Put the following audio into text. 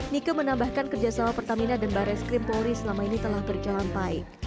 nike menambahkan kerjasama pertamina dan baris krim polri selama ini telah berjalan baik